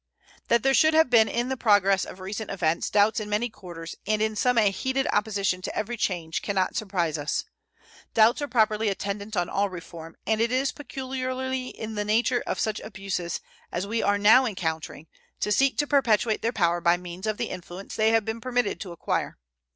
That there should have been in the progress of recent events doubts in many quarters and in some a heated opposition to every change can not surprise us. Doubts are properly attendant on all reform, and it is peculiarly in the nature of such abuses as we are now encountering to seek to perpetuate their power by means of the influence they have been permitted to acquire.